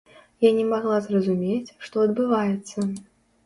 Я не магла зразумець, што адбываецца.